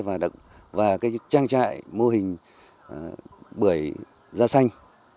và trang trại mô hình bưởi da xanh